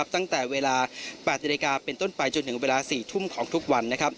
ตั้งแต่เวลา๘นาฬิกาเป็นต้นไปจนถึงเวลา๔ทุ่มของทุกวัน